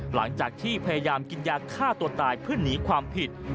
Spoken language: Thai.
หลังจากที่พยายามกินยาฆ่าตัวตายเพื่อหนีความผิด